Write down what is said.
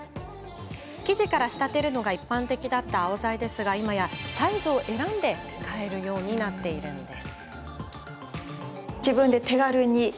生地から仕立てるのが一般的だったアオザイですが今やサイズを選んで買えるようになっているんです。